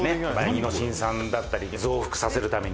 「イノシン酸だったり増幅させるために」